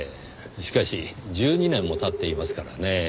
しかし１２年も経っていますからねぇ。